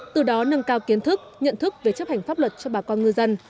từ đó nâng cao kiến thức nhận thức về chấp hành pháp luật cho bà con ngư dân